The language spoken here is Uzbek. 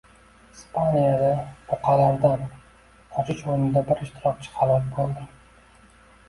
Ispaniyada buqalardan qochish o‘yinida bir ishtirokchi halok bo‘lding